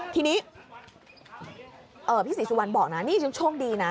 ทีนี้พี่ศรีสุวรรณบอกนะนี่ฉันโชคดีนะ